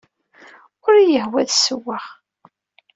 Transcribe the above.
Ur iyi-yehwi ad d-ssewweɣ.